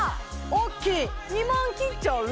大きい２万切っちゃう？